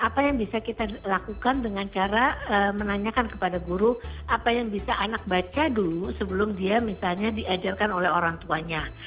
apa yang bisa kita lakukan dengan cara menanyakan kepada guru apa yang bisa anak baca dulu sebelum dia misalnya diajarkan oleh orang tuanya